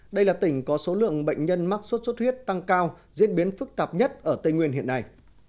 đây là tỉnh có số lượng bệnh nhân mắc sốt xuất huyết tăng cao diễn biến phức tạp nhất ở tây nguyên hiện nay